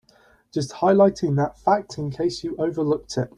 Just highlighting that fact in case you overlooked it.